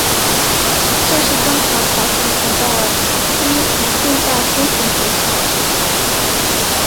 这是中国朝鲜族的第一所近代新型学校。